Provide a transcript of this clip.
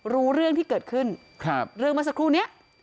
รู้เรื่องที่เกิดขึ้นเรื่องเมื่อสักครู่นี้